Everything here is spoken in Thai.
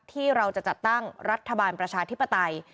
ที่เราจะจัดตั้งรัฐบาลประชาธิปไตย